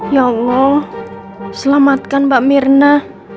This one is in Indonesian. ya allah selamatkan mbak mirna